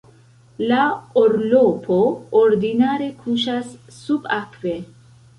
La orlopo ordinare kuŝas subakve.